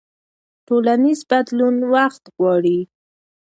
ټولنیز بدلون وخت غواړي.